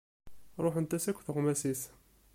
Ruḥent-as akk tuɣmas-is.